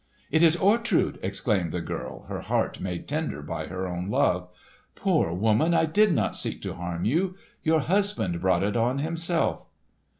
"It is Ortrud!" exclaimed the girl, her heart made tender by her own love. "Poor woman, I did not seek to harm you. Your husband brought it on himself."